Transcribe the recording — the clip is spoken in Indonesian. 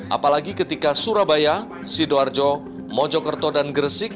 apalagi ketika surabaya sidoarjo mojokerto dan gresik